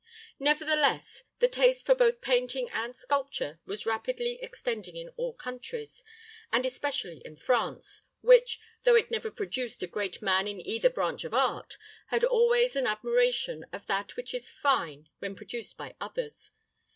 Nevertheless, the taste for both painting and sculpture was rapidly extending in all countries, and especially in France, which, though it never produced a great man in either branch of art, had always an admiration of that which is fine when produced by others.